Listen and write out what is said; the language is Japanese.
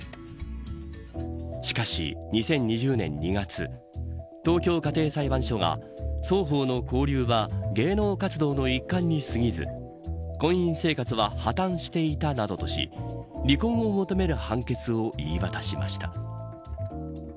しかし２０２０年２月東京家庭裁判所が双方の交流は芸能活動の一環にすぎず婚姻生活は破綻していたなどとし離婚を求める判決を言い渡しました。